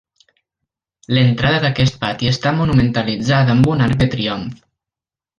L'entrada d'aquest pati està monumentalitzada amb un arc de triomf.